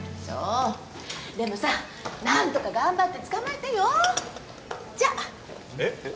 そうでもさなんとか頑張って捕まえてよじゃあえっ？